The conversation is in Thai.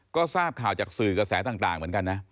ก็ทราบข่าวจากสื่อกระแสต่างเหมือนกันนะ